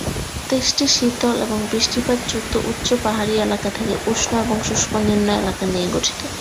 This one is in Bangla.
দেশটি শীতল এবং বৃষ্টিপাত যুক্ত উচ্চ পাহাড়ী এলাকা থেকে উষ্ণ এবং শুষ্ক নিম্ন এলাকা নিয়ে গঠিত।